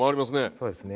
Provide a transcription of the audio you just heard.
そうですね。